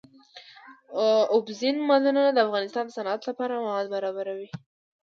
اوبزین معدنونه د افغانستان د صنعت لپاره مواد برابروي.